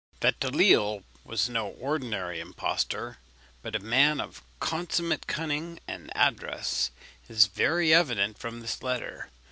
That Delisle was no ordinary impostor, but a man of consummate cunning and address, is very evident from this letter.